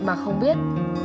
mà không biết